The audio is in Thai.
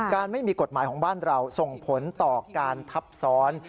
ไม่มีกฎหมายของบ้านเราส่งผลต่อการทับซ้อน